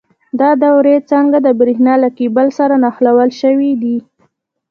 دا دورې څنګه د برېښنا له کیبل سره نښلول شوي دي؟